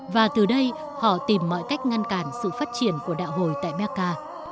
và từ đây họ tìm mọi cách ngăn cản sự phát triển của đạo hồi tại berca